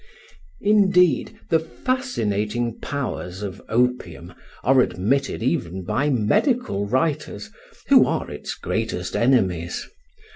Indeed, the fascinating powers of opium are admitted even by medical writers, who are its greatest enemies.